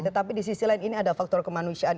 tetapi di sisi lain ini ada faktor kemanusiaan